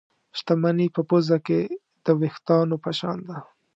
شتمني په پوزه کې د وېښتانو په شان ده.